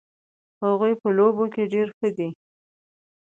هغوی په لوبو کې ډېر ښه دي